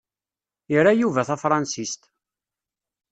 Ira Yuba tafransist.